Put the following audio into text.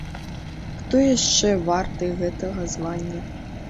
Хто яшчэ варты гэтага звання?